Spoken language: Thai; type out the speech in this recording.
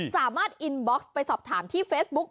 สามารถอินบ็อกซ์ไปสอบถามที่เฟซบุ๊ค